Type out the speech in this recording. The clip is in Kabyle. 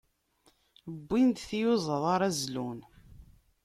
Wwin-d tiyuẓaḍ ara zlun.